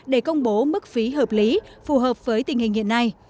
để công bố mức phí hợp lý phù hợp với tình hình hiện nay